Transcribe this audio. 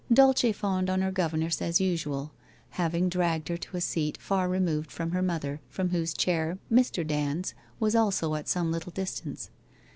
Dulce fawned on her governess us usual, having dragged her to a seat far removed from her mother, from whose chair Mr. Dand's was also at some little distance.